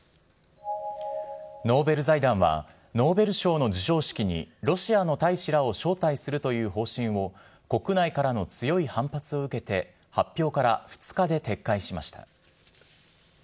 ノーベル財団は、ノーベル賞の授賞式にロシアの大使らを招待するという方針を国内からの強い反発を受けて、発表から２日で撤回しました。